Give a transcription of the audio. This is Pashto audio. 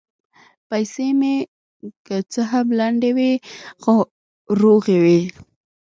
پیسې مې که څه هم لندې وې، خو روغې وې.